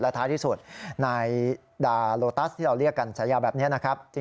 และท้ายที่สุดนายดาโลตัสที่เราเรียกกันสัญญาแบบนี้